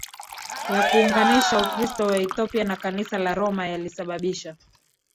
ya kuunganisha Ukristo wa Ethiopia na Kanisa la Roma yalisababisha